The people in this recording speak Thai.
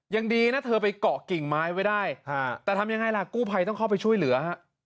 ยังดีนะเธอไปเกาะกิ่งไม้ไว้ได้แต่ทำยังไงล่ะกู้ภัยต้องเข้าไปช่วยเหลือฮะ